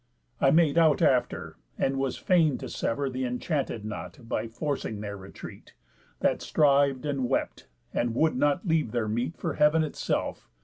I made out after, and was feign to sever Th' enchanted knot by forcing their retreat; That striv'd, and wept, and would not leave their meat For heav'n itself.